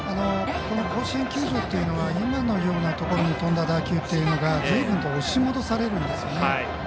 この甲子園球場というのは今のようなところに飛んだ打球がずいぶんと押し戻されるんですね。